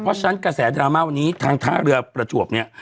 เพราะฉะนั้นกระแสดราม่าวันนี้ทางท่าเรือประจวบเนี่ย